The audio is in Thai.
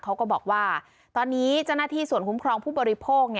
เขาก็บอกว่าตอนนี้เจ้าหน้าที่ส่วนคุ้มครองผู้บริโภค